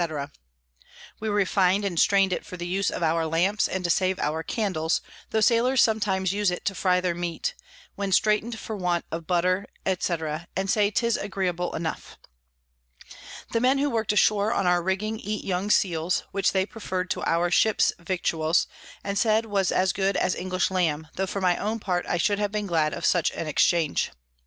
_ We refin'd and strain'd it for the use of our Lamps and to save our Candles, tho Sailors sometimes use it to fry their Meat, when straiten'd for want of Butter, &c. and say 'tis agreeable enough. The Men who work'd ashore on our Rigging eat young Seals, which they prefer'd to our Ships Victuals, and said was as good as English Lamb; tho for my own part I should have been glad of such an Exchange.